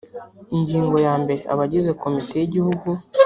ingingo ya mbere abagizi komite y igihugu